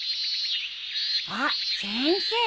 あっ先生！